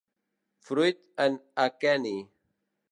Fruit en aqueni.